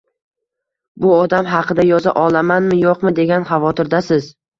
Bu odam haqida yoza olamanmi-yo‘qmi degan xavotirdasiz.